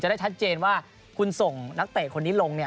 ได้ชัดเจนว่าคุณส่งนักเตะคนนี้ลง